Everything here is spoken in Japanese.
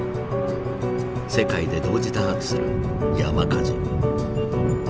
世界で同時多発する山火事。